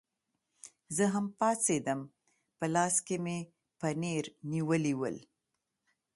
زه هم پاڅېدم، په لاس کې مې پنیر نیولي ول.